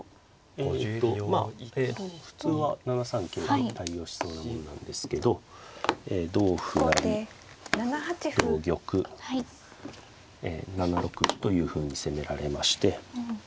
えっとまあ普通は７三桂馬対応しそうなものなんですけど同歩成同玉７四歩というふうに攻められまして。